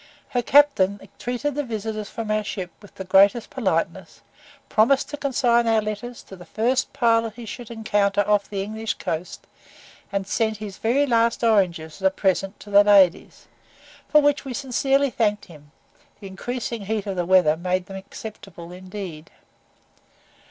Her captain treated the visitors from our ship with the greatest politeness, promised to consign our letters to the first pilot he should encounter off the English coast, and sent his very last oranges as a present to the ladies, for which we sincerely thanked him; the increasing heat of the weather made them acceptable indeed.